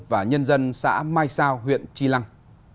và nhân dân xã mai sao huyện tri lăng